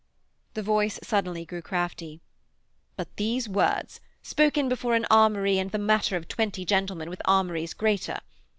_"' The voice suddenly grew crafty. 'But these words, spoken before an armoury and the matter of twenty gentlemen with armouries greater.